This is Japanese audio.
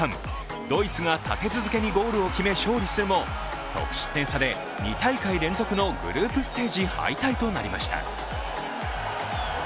ドイツが立て続けにゴールを決め勝利するも得失点差で２大会連続のグループステージ敗退となりました。